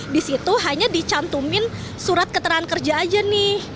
disitu hanya dicantumin surat keterangan kerja aja nih